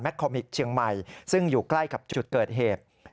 คอมมิกเชียงใหม่ซึ่งอยู่ใกล้กับจุดเกิดเหตุ